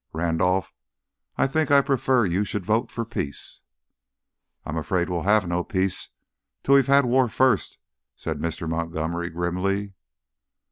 Randolph, I think I prefer you should vote for peace." "I'm afraid we'll have no peace till we've had war first," said Mr. Montgomery, grimly.